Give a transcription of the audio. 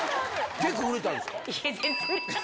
結構売れたんですか？